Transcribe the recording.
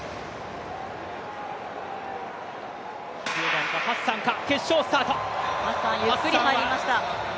キピエゴンかハッサンか、決勝スタート。